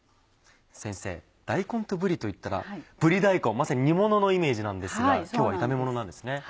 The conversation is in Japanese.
先生大根とぶりといったらぶり大根まさに煮もののイメージなんですが今日は炒めものなんですね。